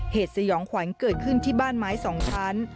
สยองขวัญเกิดขึ้นที่บ้านไม้สองชั้น